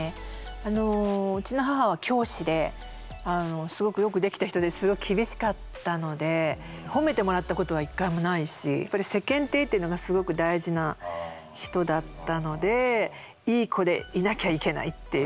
あのうちの母は教師ですごくよくできた人ですごく厳しかったので褒めてもらったことは一回もないしやっぱり世間体っていうのがすごく大事な人だったのでいい子でいなきゃいけないっていうふうに思って育ってきましたね。